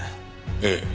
ええ。